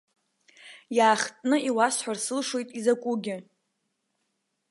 Иаахтны иуасҳәар сылшоит изакәугьы.